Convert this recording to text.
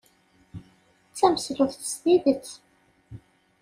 D tameslubt s tidet.